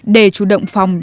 để chủ động phòng